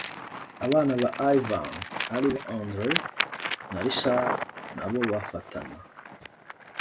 Abana ba Ivan ari bo Andre na Richard na bo bafatana